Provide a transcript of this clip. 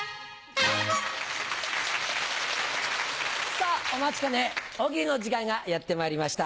さぁお待ちかね大喜利の時間がやってまいりました。